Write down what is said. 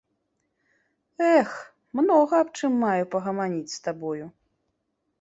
Эх, многа аб чым маю пагаманіць з табою.